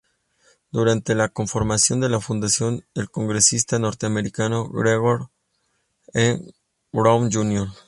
Durante la conformación de la fundación, el congresista norteamericano George E. Brown, Jr.